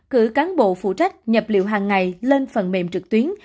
cử cán bộ phụ trách nhập liệu hàng ngày lên phần mềm trực tuyến